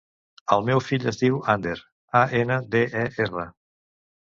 El meu fill es diu Ander: a, ena, de, e, erra.